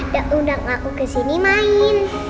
sudah ngaku ke sini main